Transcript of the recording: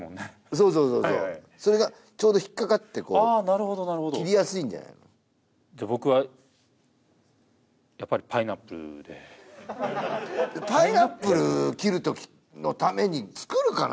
そうそうそうそうそれがちょうど引っかかってこうああなるほどなるほど切りやすいんじゃないのじゃ僕はやっぱりパイナップルでパイナップル切る時のために作るかな？